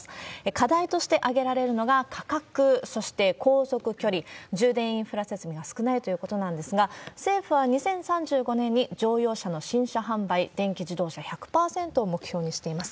課題として挙げられるのが価格、そして航続距離、充電インフラ設備が少ないということなんですが、政府は２０３５年に乗用車の新車販売、電気自動車１００％を目標にしています。